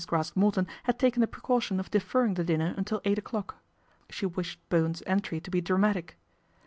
Craske Morton had taken the precaution of deferring the dinner until eight o'clock. She wished Bowen's entry to be dramatic.